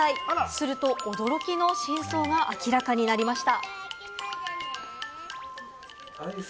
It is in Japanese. すると、驚きの真相が明らかになりました。